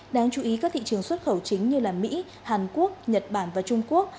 đáng chú ý các thị trường xuất khẩu chính như mỹ hàn quốc nhật bản và trung quốc